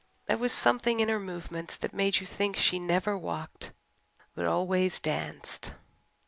There was something in her movements that made you think she never walked but always danced.